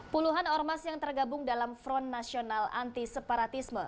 puluhan ormas yang tergabung dalam front nasional anti separatisme